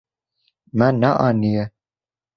Me neaniye.